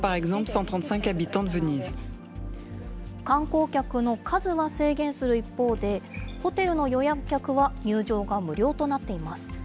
観光客の数は制限する一方で、ホテルの予約客は入場が無料となっています。